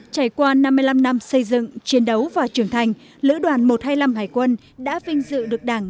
trải qua năm mươi năm năm xây dựng chiến đấu và trưởng thành lữ đoàn một trăm hai mươi năm hải quân đã vinh dự được đảng